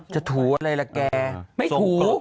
ถูอะไรล่ะแกไม่ถู